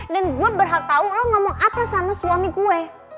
dan gue berhak tau lo ngomong apa sama suami gue